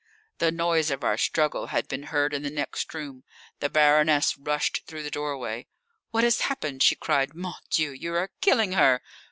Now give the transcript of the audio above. The noise of our struggle had been heard in the next room. The Baroness rushed through the doorway. "What has happened?" she cried. "Mon Dieu! you are killing her!"